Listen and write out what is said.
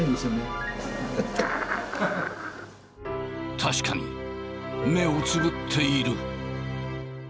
確かに目をつぶっている。